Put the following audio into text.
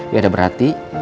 ya udah berarti